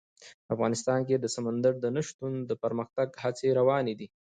افغانستان کې د سمندر نه شتون د پرمختګ هڅې روانې دي.